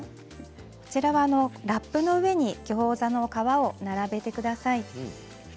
ラップの上にギョーザの皮を並べてください。